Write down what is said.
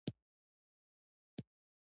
تودوخه د افغان ځوانانو لپاره دلچسپي لري.